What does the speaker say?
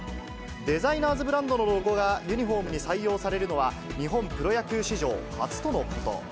デザイナーズブランドのロゴがユニホームに採用されるのは日本プロ野球史上初とのこと。